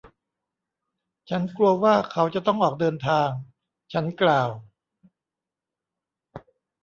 ฉันกลัวว่าเขาจะต้องออกเดินทาง ฉันกล่าว